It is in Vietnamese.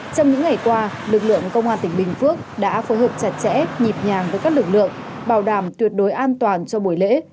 trong những ngày qua lực lượng công an tỉnh bình phước đã phối hợp chặt chẽ nhịp nhàng với các lực lượng bảo đảm tuyệt đối an toàn cho buổi lễ